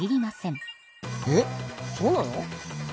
えっそうなの？